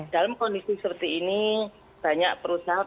dalam kondisi seperti ini banyak perusahaan